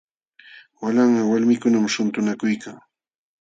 Walanqa walmikunam shuntunakuykan.